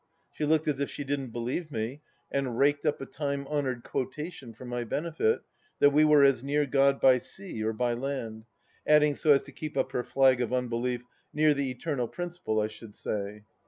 She looked as if she didn't believe me, and raked up a time honoured quotation for my benefit, " that we were as near God by sea or by land "; adding so as to keep up her flag of unbelief :" near the Eternal Principle, I should say."